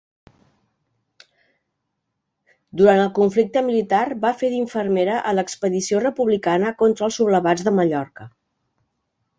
Durant el conflicte militar va fer d'infermera a l'expedició republicana contra els sublevats de Mallorca.